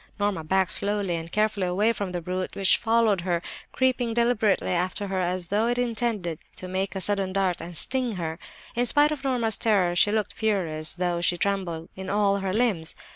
"Norma backed slowly and carefully away from the brute, which followed her, creeping deliberately after her as though it intended to make a sudden dart and sting her. "In spite of Norma's terror she looked furious, though she trembled in all her limbs.